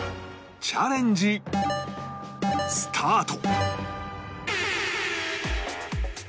チャレンジスタート！